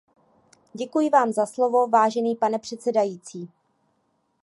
Děkuji vám za slovo, vážený pane předsedající.